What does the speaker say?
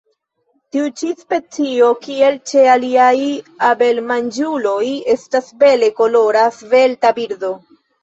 Tiu ĉi specio, kiel ĉe aliaj abelmanĝuloj, estas bele kolora, svelta birdo.